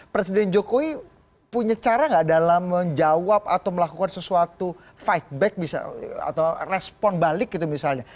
presiden jokowi punya cara nggak dalam menjawab atau melakukan sesuatu fight back atau respon balik gitu misalnya